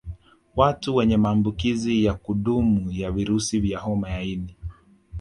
Watu wenye maambukizi ya kudumu ya virusi vya homa ya ini